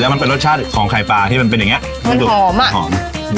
มันเป็นรสชาติของไข่ปลาที่มันเป็นอย่างเงี้มันดูหอมอ่ะหอม